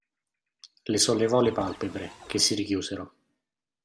Le sollevò le palpebre, che si richiusero.